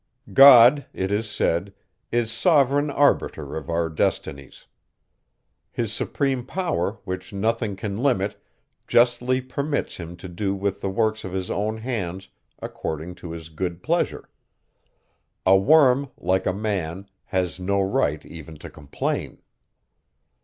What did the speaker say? "God," it is said, "is sovereign arbiter of our destinies. His supreme power, which nothing can limit, justly permits him to do with the works of his own hands according to his good pleasure. A worm, like man, has no right even to complain."